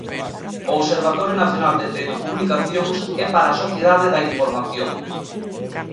O Observatorio Nacional de Telecomunicacións e para a Sociedade da Información.